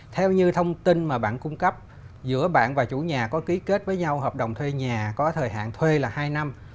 theo như thông tin mà bạn cung cấp giữa bạn và chủ nhà có ký kết với nhau hợp đồng thuê nhà có thời hạn thuê là hai năm